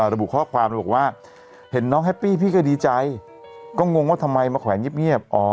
ระบุข้อความเลยบอกว่าเห็นน้องแฮปปี้พี่ก็ดีใจก็งงว่าทำไมมาแขวนเงียบ